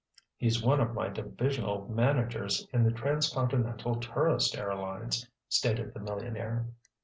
"He's one of my divisional managers in the transcontinental tourist airlines," stated the millionaire.